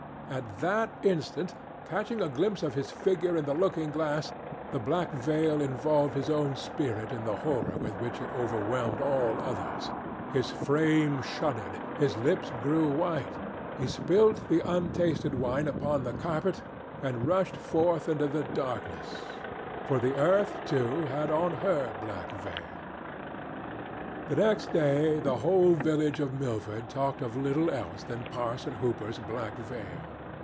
At that instant, catching a glimpse of his figure in the looking glass, the black veil involved his own spirit in the horror with which it overwhelmed all others. His frame shuddered, his lips grew white, he spilt the untasted wine upon the carpet and rushed forth into the darkness, for the Earth too had on her black veil. The next day the whole village of Milford talked of little else than Parson Hooper's black veil.